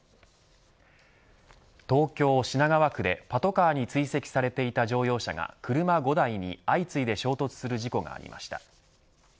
東京・品川区でパトカーに追跡されていた乗用車が車５台に相次いで衝突する事故がありました。